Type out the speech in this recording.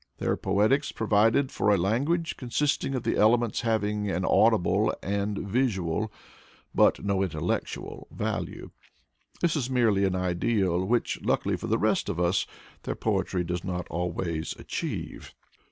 Their poetics provide for a language consisting of elements having an audible and a visual, but no intellectual value. This is merely an ideal which, luckily for the rest of us, their poetry does not always achieve.